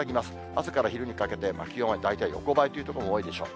朝から昼にかけて、気温は大体横ばいという所が多いでしょう。